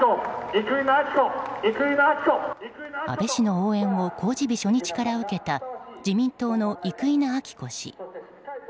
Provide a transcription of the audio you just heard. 安倍氏の応援を公示日初日から受けた自民党の生稲晃子氏。